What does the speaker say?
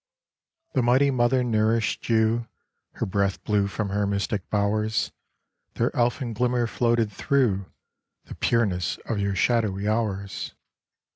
The Mighty Mother nourished you ; Her breath blew from her mystic bowers ; Their elfin glimmer floated through The pureness of your shadowy hours.